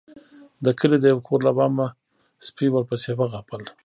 د کلي د يو کور له بامه سپي ورپسې وغپل.